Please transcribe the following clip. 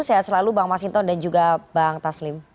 sehat selalu bang mas hinton dan juga bang taslim